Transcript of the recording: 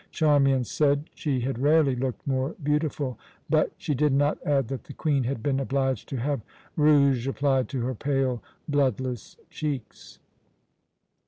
Charmian said she had rarely looked more beautiful. But she did not add that the Queen had been obliged to have rouge applied to her pale, bloodless cheeks.